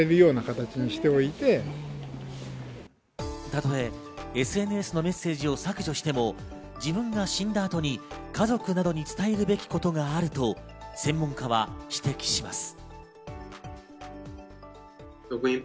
たとえＳＮＳのメッセージを削除しても自分が死んだ後に家族などに伝えるべきことがあると専門家は指摘します。